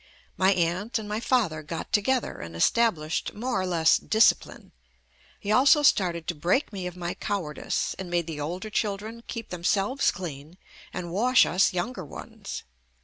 My aunt and my father got together and established more or less "discipline." He also started to break me of my cowardice and made the older children keep themselves clean and wash us younger ones.